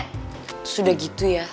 terus udah gitu ya